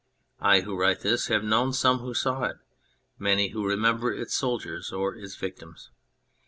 I who write this have known some who saw it ; many who remembered its soldiers or its victims.